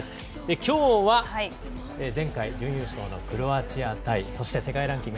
今日は前回、準優勝のクロアチア対、そして世界ランキング